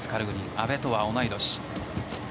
阿部とは同い年。